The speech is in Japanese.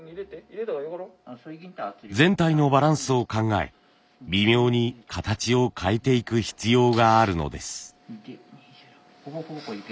全体のバランスを考え微妙に形を変えていく必要があるのです。